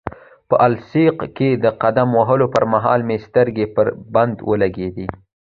په السیق کې د قدم وهلو پرمهال مې سترګې پر بند ولګېدې.